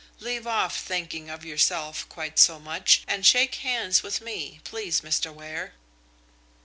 Leave off thinking of yourself quite so much and shake hands with me, please, Mr. Ware."